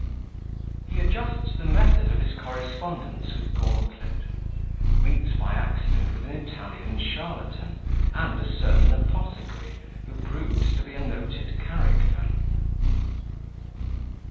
He adjusts the Method of his Correspondence with Gauntlet; meets by accident with an Italian Charlatan, and a certain Apothecary, who proves to be a noted Character.